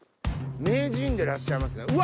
名人でらっしゃいますね。